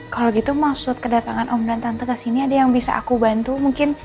kalau gitu maksud kedatangan om dan tante ke sini ada yang bisa aku bantu mungkin